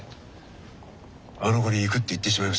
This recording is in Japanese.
あの子に行くって言ってしまいましたから。